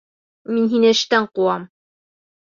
Мин һине эштән ҡыуам!